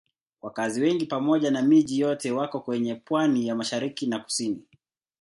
Wakazi wengi pamoja na miji yote wako kwenye pwani ya mashariki na kusini.